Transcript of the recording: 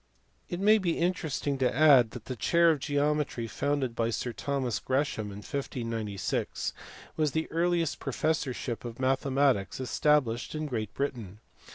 It may be interesting to add that the chair of geometry founded by Sir Thomas Gresham in 1596 was the earliest professorship of mathematics established in Great Britain.